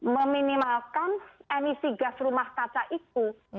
meminimalkan emisi gas rumah kaca itu